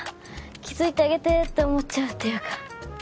気付いてあげてって思っちゃうっていうか。